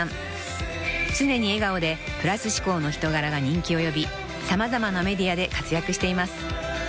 ［常に笑顔でプラス思考の人柄が人気を呼び様々なメディアで活躍しています］